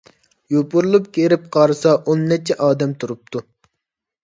يوپۇرۇلۇپ كىرىپ قارىسا، ئون نەچچە ئادەم تۇرۇپتۇ.